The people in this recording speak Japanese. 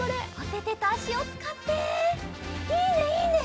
いいねいいね！